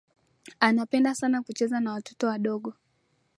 Anapenda sana kucheza na watoto wdogo